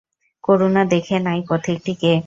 করুণা দেখে নাই পথিকটি কে।